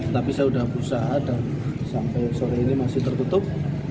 tapi saya sudah berusaha dan sampai sore ini masih tertutup